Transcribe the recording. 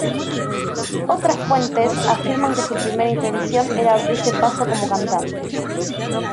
Otras fuentes afirman que su primera intención era abrirse paso como cantante.